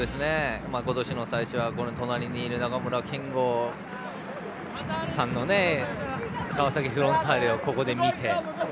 今年の最初は隣にいる中村憲剛さんの川崎フロンターレをここで見て。